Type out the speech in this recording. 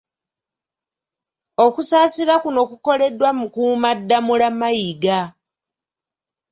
Okusaasira kuno kukoleddwa Mukuumaddamula Mayiga .